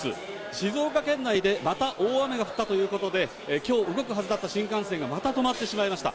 静岡県内でまた大雨が降ったということで、きょう動くはずだった新幹線がまた止まってしまいました。